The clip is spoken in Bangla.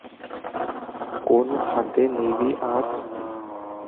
কোন হাতে নিবি আজ?